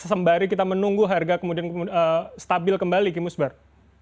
sembari kita menunggu harga kemudian stabil kembali kimusber